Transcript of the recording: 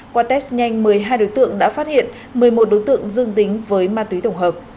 qua test nhanh một mươi hai đối tượng đã phát hiện một mươi một đối tượng dương tính với ma túy tổng hợp